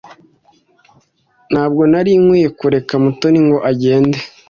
Ntabwo nari nkwiye kureka Mutoni ngo agende.